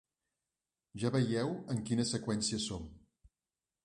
Ja veieu en quina seqüencia som.